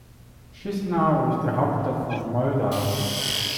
Chișinău ist die Hauptstadt von Moldau.